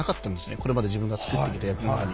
これまで自分が作ってきた役の中に。